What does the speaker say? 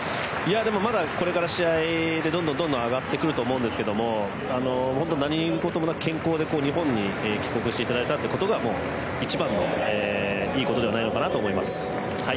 でもまだ、これから試合でどんどん上がってくると思いますけど何事もなく健康で日本に帰国していただいたことが一番のいいことではないのかなと思います。